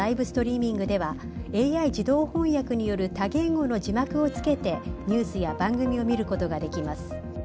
ストリーミングではＡＩ自動翻訳による多言語の字幕をつけてニュースや番組を見ることができます。